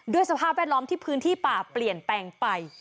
สภาพแวดล้อมที่พื้นที่ป่าเปลี่ยนแปลงไป